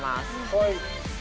はい。